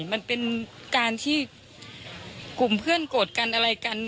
มันเป็นการที่กลุ่มเพื่อนโกรธกันอะไรกัน